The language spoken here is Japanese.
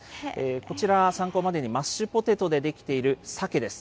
こちら、参考までにマッシュポテトで出来ているサケです。